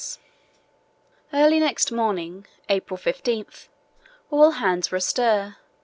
Early next morning (April 15) all hands were astir.